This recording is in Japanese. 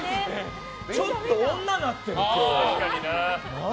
ちょっと女になってる、今日。